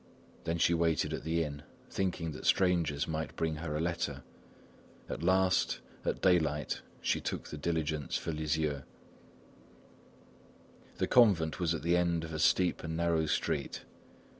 Then she waited at the inn, thinking that strangers might bring her a letter. At last, at daylight she took the diligence for Lisieux. The convent was at the end of a steep and narrow street.